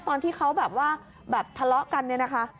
ตอนที่เขาแบบว่าแบบทะเลาะกันเนี่ยนะคะ